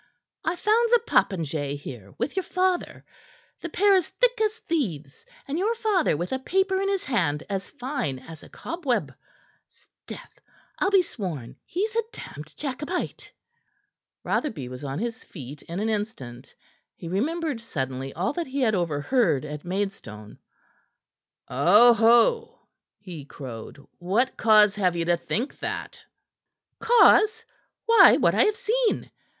I found the popinjay here with your father, the pair as thick as thieves and your father with a paper in his hand as fine as a cobweb. 'Sdeath! I'll be sworn he's a damned Jacobite." Rotherby was on his feet in an instant. He remembered suddenly all that he had overheard at Maidstone. "Oho!" he crowed. "What cause have ye to think that?" "Cause? Why, what I have seen.